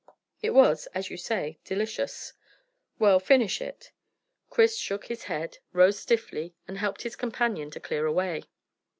It was, as you say, delicious." "Well, finish it." Chris shook his head, rose stiffly, and helped his companion to clear away.